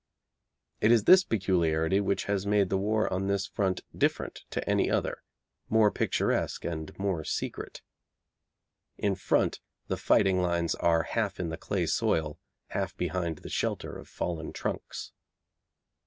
It is this peculiarity which has made the war on this front different to any other, more picturesque and more secret. In front the fighting lines are half in the clay soil, half behind the shelter of fallen trunks.